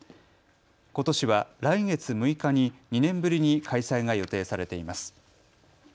ことしは来月６日に２年ぶりに開催が予定されています。